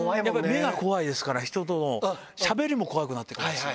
目が怖いですから、人との、しゃべりも怖くなってくるんですよ。